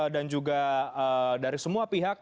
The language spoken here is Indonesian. dan juga dari semua pihak